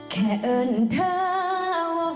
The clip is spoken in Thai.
แค่เอิญเธอว่า